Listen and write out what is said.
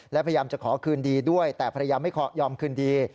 และพยายามจะขอคืนดีด้วยแต่ภรรยาไม่ยอมคืนดี